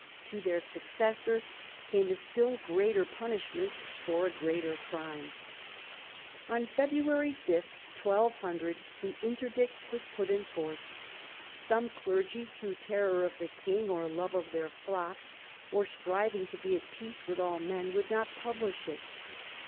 To their successor came a still greater punishment, for a greater crime. On February 5, 1200, the interdict was put in force. Some clergy, through terror of the king, or love of their flocks, or striving to "be at peace with all men, would not publish it.